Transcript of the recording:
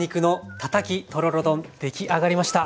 出来上がりました。